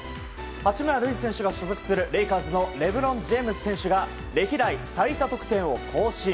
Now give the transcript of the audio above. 八村塁選手が所属するレイカーズのレブロン・ジェームズ選手が歴代最多得点を更新。